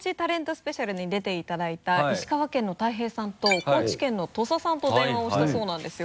スペシャルに出ていただいた石川県の大平さんと高知県の土佐さんと電話をしたそうなんですよ。